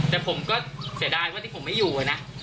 แต่ผมก็เสียดายว่าที่ผมไม่อยู่นะ